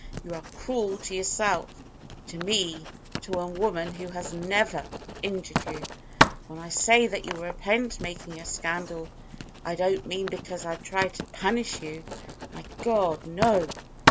"You are cruel to yourself to me to a woman who has never injured you. When I say that you'll repent making a scandal, I don't mean because I'd try to 'punish' you. My God, no!